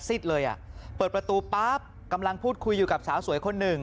เลยอ่ะเปิดประตูปั๊บกำลังพูดคุยอยู่กับสาวสวยคนหนึ่ง